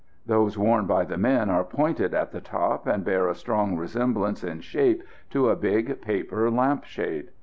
Those worn by the men are pointed at the top, and bear a strong resemblance in shape to a big paper lamp shade.